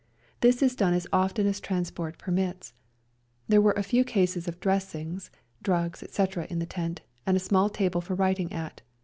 This is done as often as transport permits. There were a few cases of dressings, drugs, etc., in the tent, and a small table for writing at.